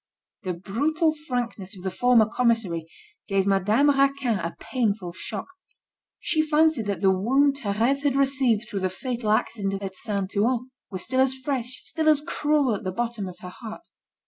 The brutal frankness of the former commissary, gave Madame Raquin a painful shock. She fancied that the wound Thérèse had received through the fatal accident at Saint Ouen, was still as fresh, still as cruel at the bottom of her heart.